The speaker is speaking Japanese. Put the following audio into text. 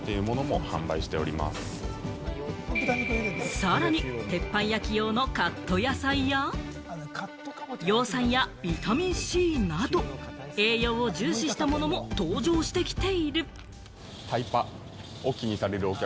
さらに鉄板焼き用のカット野菜や、葉酸やビタミンＣなど、栄養を重視したものも登場してきている。